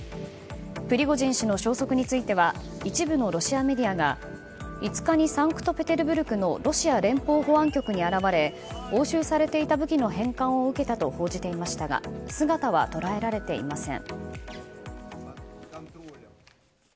プリゴジン氏の消息については一部のロシアメディアが５日にサンクトペテルブルクのロシア連邦保安局に現れ押収されていた武器の返還を受けたと報じていましたが姿は捉えられていません。